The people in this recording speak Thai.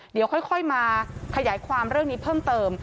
เดี๋ยวค่อยมาขยายความเรื่องนี้เพิ่มเติม